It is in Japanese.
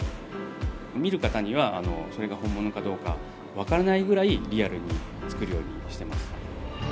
見る方にはそれが本物かどうか分からないぐらいリアルに作るようにしてます。